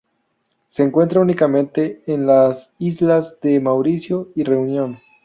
Se encuentra únicamente en las islas de Mauricio y Reunión.